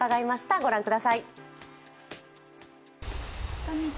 御覧ください。